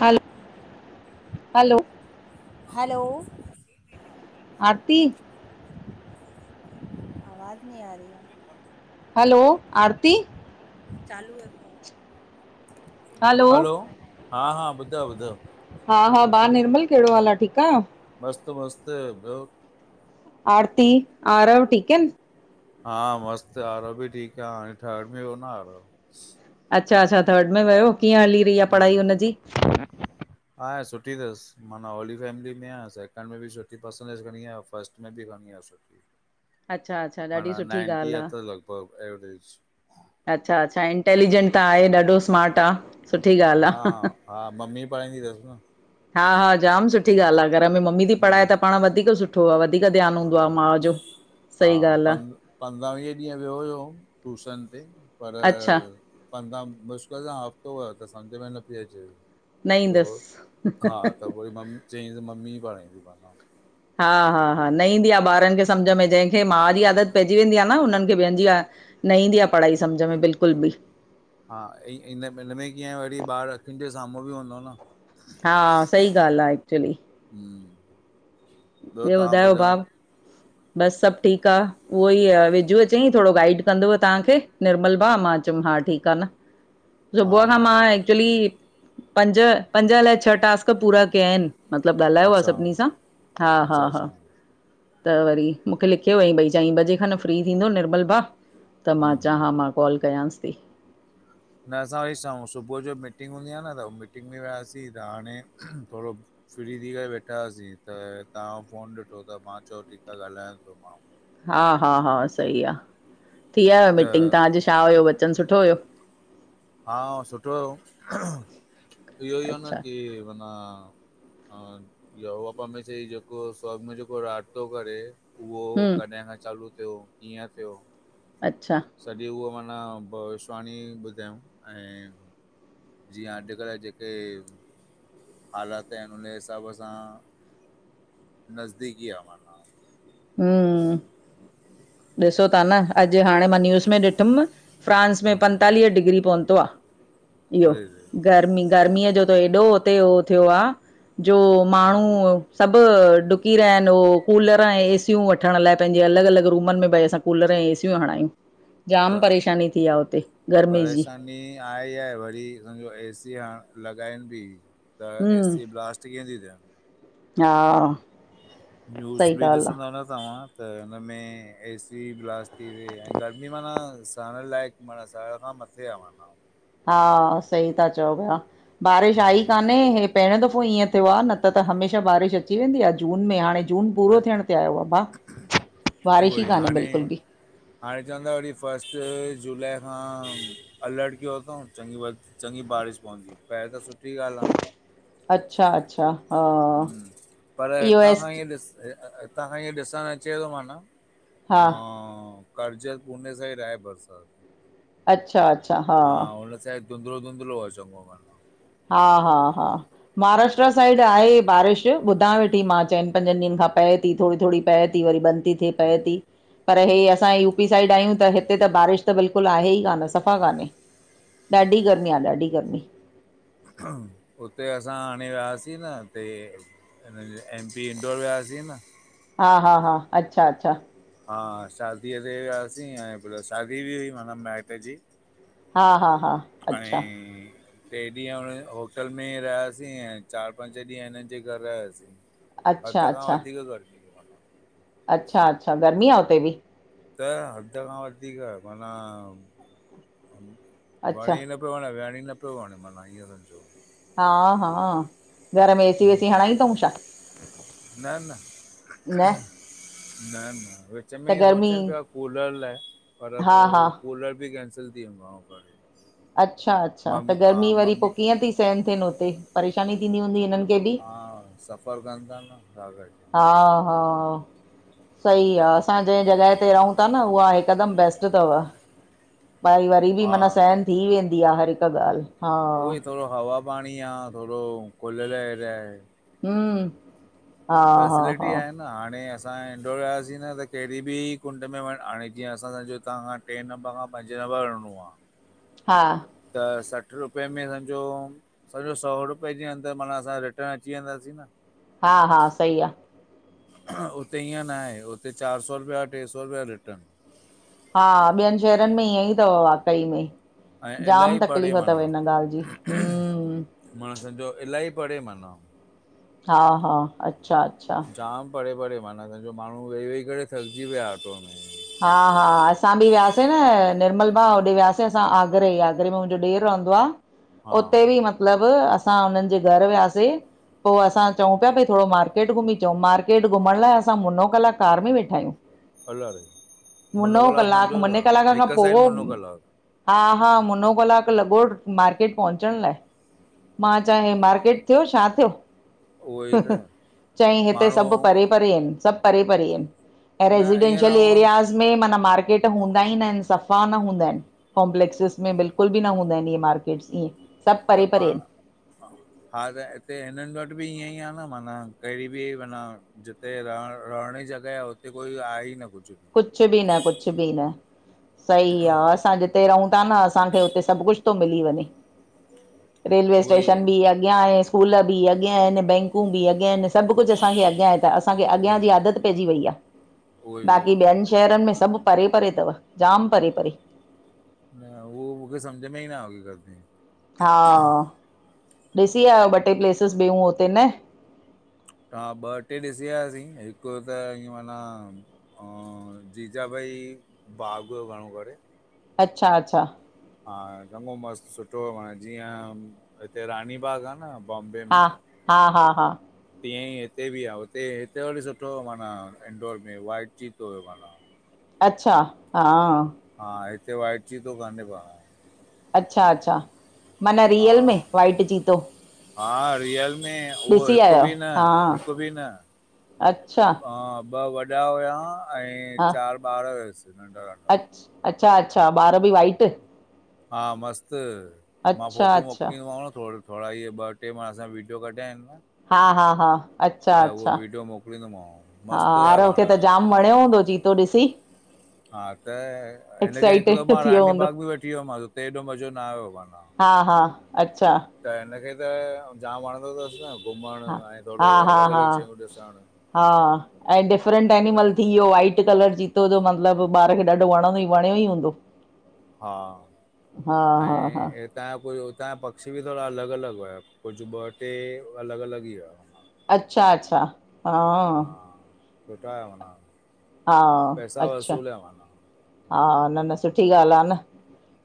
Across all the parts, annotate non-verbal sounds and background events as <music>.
हलो hello! Hello! Aarti! आवाज़ नहीं आ रही हैं। हलो, आरती! चालू है फोन हलो! हा-हा ॿुधायो- ॿुधायो। हा हा भाउ निर्मल कहड़ो हाल आ ठीक आ। मस्त- मस्त ॿियो। आरती आरव ठीकु आहे न! हा मस्त आरव बि ठीक आहे हाणे थर्ड में वयो न आरव। अच्छा अच्छा थर्ड में वियो कीअं हली रही आहे पढ़ाई हम्म हुनजी। आहे सुठी अथसि माना हऑली फैमिली में आहेयां सेकेंंड में बि सुठी पर्सेंटेज खणी आयो फर्स्ट में बि खणी आहियो सुठी। अच्छा अच्छा ॾाढी माना सुठी नाइंटी ॻाल्हि अथस आहे लॻभॻ एवरेज। अच्छा अच्छा इंटेलिजेंट त आहे ॾाढो स्मार्ट आ। हा हा मम्मी पढ़ाईंदी अथसि न। हा हा जाम सुठी ॻाल्हि आहे घर में मम्मी थी पढ़ाए हम्म त पाण वधीक सुठो। सुठो आहे वधीक ध्यानु हूंदो आहे माउ जो सही ॻाल्हि आ। पंद्रावीह ॾींहं वियो हुयउमि टूशन ते पर अच्छा मुश्किल सां हफ़्तो वयो त सम्झ में न पई अचे। न त ईंदसि हा त वरी मम चई त मम्मी ई पाई माखे हा हा हा न ईंदी आहे ॿारनि खे सम्झि में जंहिंखे माउ जी आदत पइजी वेंदी आहे न हुनन्हनि खे ॿियनि जी आहे न ईंदी आ, पढ़ाई सम्झ में बिल्कुलु बि। हा, इ हिन इन में कीअं वरी ॿारु अखियुनि जे साम्हूं बि हूंदो न। हा सही ॻाल्हि आ, एक्चुली। हम्म ॿियो ॿुधायो भा? बसि सभु ठीकु आ, उहो ई अ विजुअ चंई थोड़ो गाइड कंदव तव्हांखे निर्मल भा मां हा ठीकु आ न। हा सुबुह खां हा मां एक्चुली पंज, पंज अलाइ छह टास्क पूरा कियाइन। मतिलबु ॻाल्हायव अच्छा सभिनी सां? हा- अच्छा हा- अच्छा हा। हम्म त वरी मूंखे लिखियो अईं, भई चईं बजे खनि फ्री थींदो निर्मल भा। त मां चां हम्म हां मां कॉल कयांसि ती। न असां वरी छाऊं सुबुह जो मीटिंग हूंदी आ न त मीटिंग में वियासीं त हाणे थोड़ो फिरी थी करे वेठाहा सीं, त तहांजो फोन ॾिठो त मां चयो ठीकु आ ॻाल्हायांन तो, मां ब हा -हा- हा सही आ, थी आयव त मीटिंग तां, अॼु छा हुयो वचन सुठो हुयो? हा सुठो हुयो, हं इहो ई हो न अच्छा की माना हा! पपा हमेशह जेको स् जेको रात थो करे <unintelligible> उहो, हम्म कॾहिं खां चालू थियो, कीअं थियो अच्छा सॼी उहो माना भविष्वाणी ॿुधायऊं ऐं जीअं अॼुकल जेके हालात आहिनि उन हिसाब सां नज़दीकी आ माना। हूं ऊं! ॾिसो ता न अॼु हाणें मां न्यूज़ में ॾिठुम फ्रांस में पंतालीह डिग्री पहुंतो आ इहो। ओड़े रे गर्मी -गर्मीअ जो त एॾो हुते हो थियो आ, जो माण्हू सभु डुकी रहिया आहिनि हू कूलर ऐं एसी सियूं वठण लाइ पंहिंजे अलॻि अलॻि रूमनि में भई असां कूलर ऐं एसियूं हणायूं। जाम परेशानी थी आ उते गर्मी जी। मी आहे ई आहे, वरी समझो एसी हाण लॻाइन बि त हम्म एसी ब्लास्ट थी वेंदी छा? हा आ न्यूज़ सही बि ॻाल्हि ॾिसंदव न तव्हां त हुन में एसी ब्लास्ट थी वेई, ऐं गर्मी माना सहण लाइक़ु माना सहण खां मथे आ माना। हा, सही ता चओ पिया बारिश आई ई हम्म, काने हे पहिरियों दफ़ो ईअं थियो आ, न त त हमेशा बारिश अची वेंदी आ जून में हाणें जून पूरो हाणे थियण ते आयो आ भाउ, बारिश उहो ई कान्हे हाणे बिल्कुलु बि हाणे चवंदा वरी फस्ट जुलाई खां अलर्ट कयो तऊं चङीं बारिश पवंदी, पए त सुठी ॻाल्हि आ न। अच्छा -अच्छा हा हूं पर इहो हितां खां एस्ट हीं ॾिस हितां खां हीं ॾिसण अचे तो माना। हा आं--करजल पूने साइड आहे बरसात। अच्छा-अच्छा, हा हा, हुन साइड धुंदलो धुंदलो आ चंंॻों माना। हा- हा- हा महाराष्ट्र साइड आहे ई बारिश ॿुधां वेठी मां चइन पंजन ॾींहंनि खां पए ती थोड़ी -थोड़ी पए ती वरी बंद ती हे पए ती, पर हे असां यू पी साइड आह्यूं त हिते त बारिश त बिल्कुल आहेई कान्ह, सफ़ा कान्हे, ॾाढी गर्मी आ ॾाढी गर्मी उते असां हाणें वियासीं न उते इन्ह जे एम पी इंदौर वियासीं न हा -हा -हा, अच्छा -अच्छा हा शादीअ ते वियासीं, ऐं भला शादी बि हुई माना माइट जी हा हा हा अच्छा अंईं ट्रे ॾींहं हुन होटल में ई रहियासीं, ऐं चारि पंज ॾींहं हिननि जे घर रहियासीं। हद अच्छा खां अच्छा वधीक गर्मी ही उआ। अच्छा -अच्छा, गर्मी आ उते बि? त हद खां वधीक, माना अच्छा वणेंई न न पियो वणें, विहंण ई न पियो वणें माना ईंयं समझो। हा -हा घर में एसी वेसी हणांई तऊं छा न न न न -न, विच में त ईअं गर्मी सोचनि पिया कूलर लाए पर पो हा हा हो कूलर बि कैंसिल थी वियुन घणों करे। अच्छा- अच्छा मम त हा गर्मी वरी पो मम्मी कीअं ती सहन थ्येन उत्ते, परेशानी थींदी हूंदी हिननि खे बि हा सफ़र कन ता न घर वेठे हा- हा सही आ असां जंहिं जॻहि ते रहूं ता न, उहा हिकदमि बेस्ट तव। व भाई वरी बि हा माना सहन थी वेंदी आ हर हिक ॻाल्हि। हा उहोई थोड़ो हवा पांणी आ, थोड़ो खुलियल एरिया आहे। हम्म हा हा फैसिलिटी हा आहिनि न हाणें असां इंडोर वियासीं न त कहिड़ी बि कुंड में वंञुं, हाणे जीअं असां समझो तहां ट्रें नंबर खां पंजे नंबर वंञिंणो आ हा। त सठि रुपए में सम्झो सॼो सौ रुपए जे अंदरि माना असां रिटर्न अची वेंदासीं न। हा- हा, सही आ हुते ईअं ना हे, उते चारि सौ रुपया ट्रे सौ रुपिया रिटर्न। हा ॿियनि शहरनि में ईंयंई तव वाकई में। ऐं जाम इलाही परे तकलीफ़ तव इन्ह ॻाल्हि जी, हम्म। मा सम्झो इल्हाई परे माना हा -हा, अच्छा -अच्छा जाम परे- परे माना, समझो माण्हूं वेही- वेही करे थकिजी पए ऑटो में। हा- हा, असां बि वियासीं न निर्मल भा होॾे वियासीं असां आगरे, आगरे में मुंजो ॾेर रहंदो आ हा उते बि मतिलबु असां उन्हनि जे घर वियासे पो असां चऊं पिया भई थोड़ो मार्केट घुमी चंउं, मार्केट घुमणं लाए असां मुनो कलाक कार में वेठा आहियूं। अला ड़े! मुनो कलाकु कलाक, समझो ता मुने कलाक खां हिक पो साइड मुनो कलाकु? हा- हा, मुनो कलाकु लॻो मार्केट पहुंचण लाए। मां चंयां हे मार्केट थियो, छा थियो उहो ई त चयंईं हिते माण्हू सभु परे- परे हिनि सभु परे- परे इनि। ऐं न ईअं न रेसीडेंशियल हुअऊं एरियाज़ में माना मार्केट हूंदा ई ना हिनि सफ़ा न हूंदा इनि। कॉम्पलेक्सिस में बिल्कुलु बि न हूंदा हिनि इह्ये मार्केट्स ईंयें। त पाण। हा त हिते हिननि वटि बि इअं ई आहे न माना, कहिड़ी बि माना जिते रह रहण जी जॻहि आहे। हुते कोई आहे ई न कुझु। बि कुझु बि न, कुझु बि न, सही आह असांजे ते रहूं ता न, असांखे उते सभु कुछ थो मिली वञे, बि रेलवे उहो स्टेशन ई अॻियां आहे स्कूल बि, अॻियां आहिनि बैंक बि अॻियां आहिनि, सभु कुझु असांखे अॻियां आहे त असांखे उहो अॻियां जी ई आदत पइजी वई आह। उहो ई उहो बाक़ी ई ॿियनि शहरनि में सभु परे- परे है थव, जाम परे परे। न उहो मूंखे सम्झ में ई न आगी करती। हा, ॾिसी आहियो ॿ टे प्लेसिस ॿियूं हुते न। तां ॿ टे ॾिसी आयासीं हिकु त ईअं माना हुं जीजा बाई बाग हुयो घणो करे। अच्छा- अच्छा। हा चङो मस्तु सुठो माना जीअं, हिते रानी बाग आहे न। बॉम्बे हा, में हा- हा, हा। तीअं ई हिते बि आहे हुते हिते वरी सुठो माना इनडोर में वाइट चीतो हुयो माना। अच्छा, हां। हा हिते वाइट चीतो काने को साढ़े। अच्छा- अच्छा, माना हा रियल में वाइट चीतो? हा रियल। ने उहो ॾिसी हिकु आहियो बि न, हा हिकु बि न, अच्छा आ वॾ वॾा हुया ऐं हा चार ॿार हुयसि नंढड़ा। अच्छा- अच्छा, ॿार बि वाइट? हा मस्तु, मां अच्छा फोटू अच्छा मोकिलिंदोमांव थोरे थोड़ा इहे ॿ टे मां असां विडियो कढिया आहिनि न। हा, हा -हा। अच्छा- त उहो अच्छा, वीडियो मोकिलींदोमांव हा मस्तु हुया आरव खे पाण त जाम हा वणियो हूंदो चीतो ॾिसी? हा त हिन खे हिकु एक्साइटेड थी दफ़ो वियो रानी हूंदो बाग बि वठी वियोमांसि हुते हेॾो मज़ो न आयो माना। हा- हा, अच्छा त हिनखे त जाम वणंदो अथसि न घुमणु, हा ऐं हा थोरो हा अलॻि- हा अलॻि शयूं ॾिसणु। हा ऐं डिफरेंट एनिमल त थी वियो वाइट। वट कलर चीतो जो मतलबु ॿार खे ॾाढो वणंदो ई वणियो ई हूंदो। हा, हा हा हा ऐं तत्हांजा कु उतां जा पक्षी बि थोरा अलॻि अलॻि हुया कुझु ॿ टे अलॻि अलॻि ई हुआ। अच्छा- अचछा, हां। हा सुठा माना हा पैसा अच्छा वसूल आहे माना। हा न- न, सुठी ॻाल्ह आ न,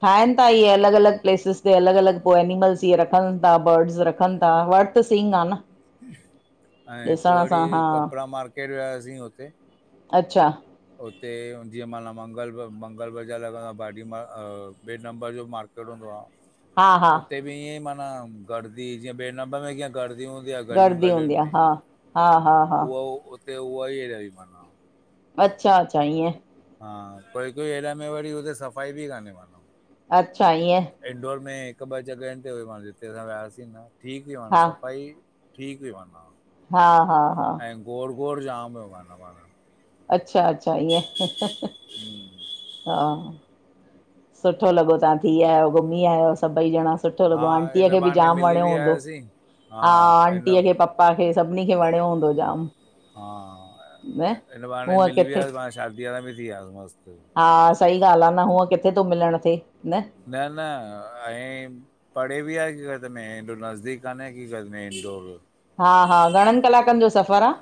ठाहिनि था इहे अलग-अलग प्लेसिस। उ अलग-अलग पोइ एनिमल्स इ रखनि था बर्ड्स रखनि था। वर्थ सिंग आह न। ऐं हिकु ॾिसण वड़ी, सां हा कपिड़ा मार्केट वियासीं हुते अच्छा। हुते जीअं माना मंगल, मंगल बजार लॻंदो आहे भाडीर ॿिए नंबर जो मार्केट। हा हा उते बि ईअं माना गर्दी जीअं ॿे नम्बर में ईंय। गर्दी हूंदी आहे गलियूं गर्दी हूंदी गलियुनि आहे में, हा हा हा हा उहा उते उहा ई अहिड़ी मना। अच्छा- अच्छा ईएंं। हा, कोई -कोई हिन में वरी हुते सफ़ाई बि कान्हे माना। अच्छा ईअं इनडोर में हिकु ॿ जॻहियुनि ते वयिमास जिते असां वियासीं न ठीकु हुई माना हा सफ़ाई ठीक वाी वाना हा हा हा गोड़ गोड़ जामु हुयो माना वाणा अच्छा अचछा ईअं हुं हा सुठो लॻो तव्हां थी आहियो घुमी आयो सभई ॼणा सुठो हा लॻो आंटीअ हिन खे बि बहाने जाम मिली वणियो बि हूंदो आयासीं हा आंटीअ खे पप्पा खे सभिनी खे वणियो हूंदो जाम हा न हिन बाणे हूअं मिली किथे वियास मां शादीअ मा बि थी वियसि मस्तु हा सही ॻाल्हि आहे न हूअ किथे थो मिलण थिए न न न ऐं पढ़े बि आहे की क़दमे हेॾो नज़दीक काने की क़दमे इनडोर हा हा घणनि कलाकनि जो सफ़रु आहे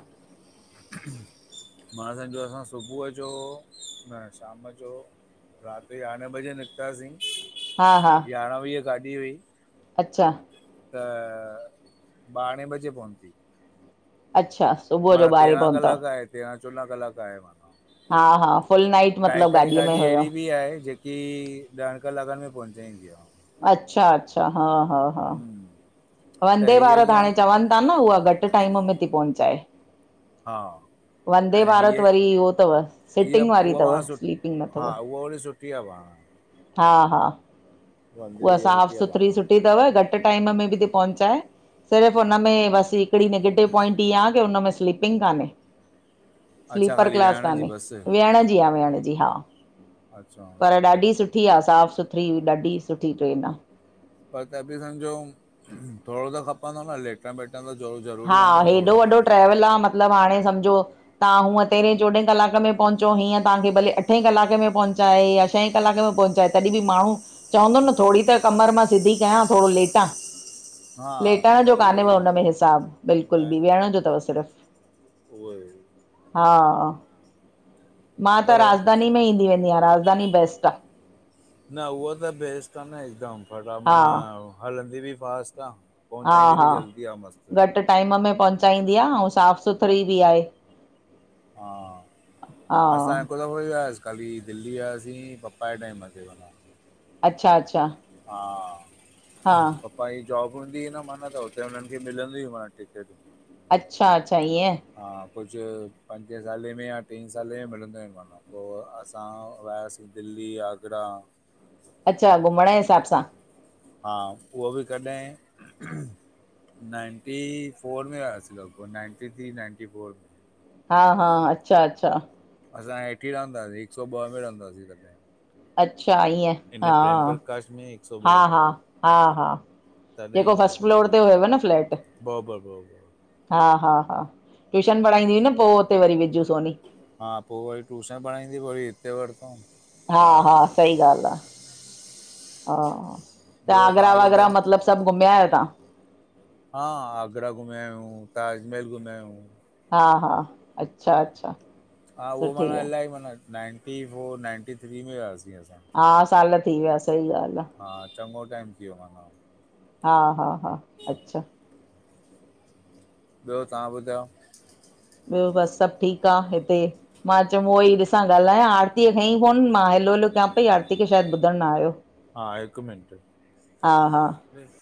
मां सम्झो असां सुबुह जो न शाम जो राति यारहें बजे निकितासीं हा हा यारहावीह गाॾी हुई अच्छा त ॿारहें बजे पहुती अच्छा सुबुह जो माना ॿारहें तेरहां पहुतव कलाक आहे तेरहां चोॾहां कलाक आहे माना हा हा फुल नाइट काई मतिलबु काई गाॾीअ में गाॾी हुयव अहिड़ी बिी आहे जे की ॾहन कलाकनि में पहुचाईंदी आहे अच्छा अचछा हा हा हा हम्म त वंदे हीअ भारत हाणे कीअं चवनि था न उहा घटि टाइम में थी पहुचाए हा वंदे ऐं भारत हीअ वरी इहो अथव हीअ सिटिंग वारी उहा पाण अथव स्लीपिंग न सुा अथव उहो वरी सुठ ठी आ पाण हा हा वांदे उहा इहा साफ़ सुठी आहे सुथरी पाण सुठी थव घटि टाइम में बि थी पहुचाए सिर्फ़ु हुनन में वसि हिकड़ी नेगेटिव पॉइंट ईहा आहेी हुन में स्लीपिंग कान्हे अच्छा स्लीपर ख़ाली क्लास वेहण जी कान्हे बस विहण जी आह विहण जी हा अच्छा पर ॾाढी सुठी आहे साफ़ सुथरीई ॾाढी सुठी ट्रेन आहे पर त बि सम्झो थोरो त खपंदो न लेट टेम वेटंदो थोड़ो हा ज़रूरी आहे न हेॾो थोड़ाो वॾो ट्रेवल आहे मतिलबु हाणे सम्झो तव्हां हूअं तेरहें चोॾहें कलाक में पहुचो हीअं तव्हांखे भले अठे कलक में पहुचाए या शा छहें कलाक में पहुचाए तॾहिं बि माण्हू चवंदो न थोरी त कमर मां सिधी कयां थोरो लेटां हा लेटण जो त उहो कान्हे न ई हुनमें हिसाबु न बिल्कुलु बि न विहयण जो थव सिर्फ़ु उहो ई हा मां त पर न राजधानी में ईंदी वेंदी आहियां राजधानी बेस्ट आहे न उहाो त बेस्ट क न हिकदमि फटा हा मना हलंदी बि फास्ट आहे। हा पहुचाईंदी बि हा जल्दी आहे मस्तु। घटि टाइम में पहुचाईंदी आहे ऐं साफ़ सुथरी बि आहे। हा हा असां क खाली दिल्ली वयासीं पपा जे टाइम असे अचछा अचछा, हा पंहिंज जॉब हूंदी न मन त हुते हुननि खे मिलंदी ई ॿ टिकेटूं। अच्छा -अच्छा ईअं, हा कुझु पंजे सालें में या टी सालें में मिलंदो आहिनि मामा। पोइ असां वियासीं दिल्ली, आगरा। अच्छा घुमण जे हिसाब सां। हा उहो बि कॾहिं, नाइनटी फोर में वयासीं लगभग नाइनटी थ्री नाइनटी फोर में। हा हा अच्छा अच्छा, असां हेएठी रहंदासीं हिकु सौ ॿ में रहंदासीं तॾहिं। अच्छा ईअं हा इन प्रेम प्रकाश में हिकु सौ हा ॿ में हा हा हा तॾहिं जेको जी ॻाल्हि फस्ट आहे फ्लोर माना ते हुयव न फ्लैट। बरोबरि बरोबरि हा हा हा ट्यूशन पढ़ाईंदी हुई न पोइ हुते वरी विझूं सोनी। हा पोइ वरी टूशन पढ़ाईंदी वरी हिते वरितऊं। त हा हा सही ॿियो ॻाल्हि आहे। हा त आगरा तव्हां ॿुधायो वागरा मतलब सभु घूमया आहियो तव्हां। हा आगरा घुमया आहियूं ताजमहल घुमिया आहियूं। हा- हा, अच्छा -अच्छा, हा उहो सुठी मन ॻाल्हि इलाही मन नाइंटी फोर नाइंटी थ्री में हुियासीं असां हा साल थी विया सही ॻाल्हि आहे। हा चङो टाइम थी वियो मन। हा हा हा अच्छा, ॿियो तव्हां ॿुधायो। ॿियो बसि सभु ठीकु आहे हिते। मां चयमि उहो ई ॾिसा ॻाल्हायां आरतीअ खयई फोन मां हेलो हेलो कयां पई आरती खे शायदि ॿुधणु न आहियो। हा हिकु हा मिनट,